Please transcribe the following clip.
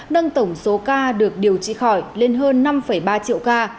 nâng tổng số ca được điều trị khỏi lên hơn năm ba triệu ca